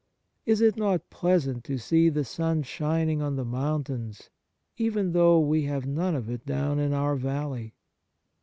Is it not pleasant to see the sun shining on the mountains, even though we have none of it down in our valley